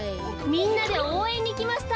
みんなでおうえんにきました。